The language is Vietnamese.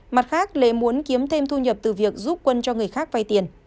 mặt khác lệ muốn kiếm thêm thu nhập từ việc giúp quân cho người khác vay tiền